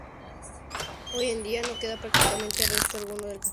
Hoy en día no queda prácticamente resto alguno del castillo.